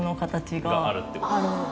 があるってこと。